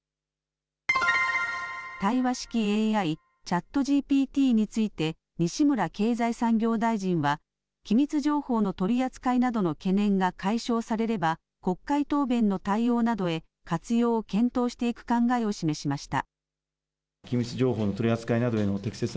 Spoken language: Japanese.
対話式ＡＩ、ＣｈａｔＧＰＴについて西村経済産業大臣は機密情報の取り扱いなどの懸念が解消されれば国会答弁の対応などへ活用を検討していく考えを示しました。